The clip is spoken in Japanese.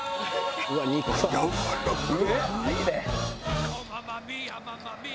「やわらかっ！」